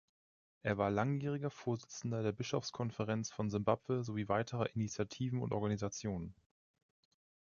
Er war langjähriger Vorsitzender der Bischofskonferenz von Simbabwe sowie weiterer Initiativen und Organisationen.